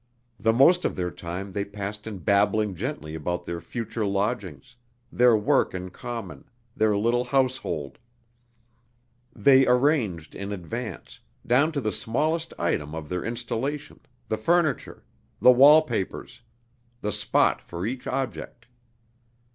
The most of their time they passed in babbling gently about their future lodgings, their work in common, their little household. They arranged in advance, down to the smallest item of their installation, the furniture, the wall papers, the spot for each object.